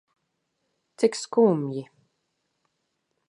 Cik skumji.